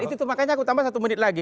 itu makanya aku tambah satu menit lagi